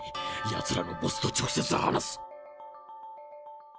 やつらのボスと直接話す。